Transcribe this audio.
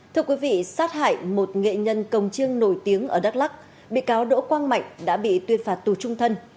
thưa quý vị sát hại một nghệ nhân công chiêng nổi tiếng ở đắk lắc bị cáo đỗ quang mạnh đã bị tuyên phạt tù trung thân